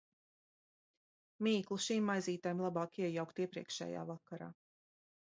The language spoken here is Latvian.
Mīklu šīm maizītēm labāk iejaukt iepriekšējā vakarā.